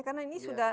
karena ini sudah